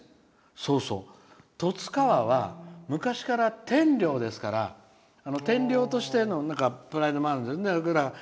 そうそう十津川は昔から天領ですから天領としてのプライドがある。